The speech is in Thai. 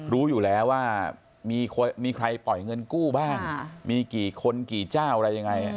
รู้อยู่แล้วว่ามีใครปล่อยเงินกู้บ้างมีกี่คนกี่เจ้าอะไรยังไง